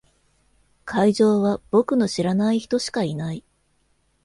会場は僕の知らない人しかいない。